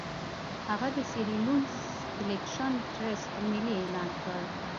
هغه د سیریلیون سیلکشن ټرست ملي اعلان کړ.